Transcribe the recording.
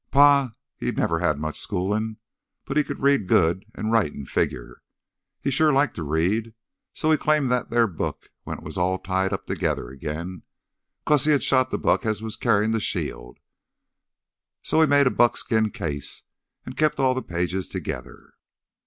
Pa, he never had much schoolin', but he could read good an' write an' figger. He sure liked to read, so he claimed that there book when it was all tied up together agin—'cause he shot th' buck as was carryin' th' shield. So he made a buckskin case and kept all th' pages together.